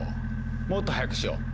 もっと速くしよう！